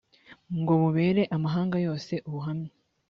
ngo bubere amahanga yose ubuhamya